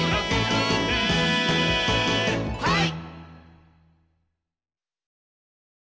はい！